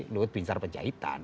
luhut bin sar pejahitan